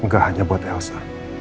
gak hanya buat elsa